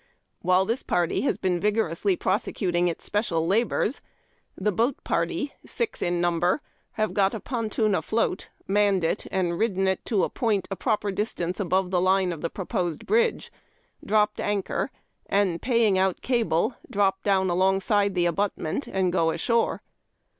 While this party has been vigorously prosecuting its special labors, the boat party, six in number, have got a ponton afloat, manned it, and ridden to a point a proper distance above the line of the proposed bridge, dropped anchor, and, paying out cable, drop down alongside the abutment, and go ashore.